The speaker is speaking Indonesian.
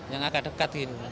yang agak dekat